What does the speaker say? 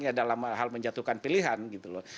ya dalam hal menjatuhkan pilihan gitu loh